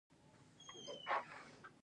جامې په هماغه پخوانۍ اندازه پاتې کیږي.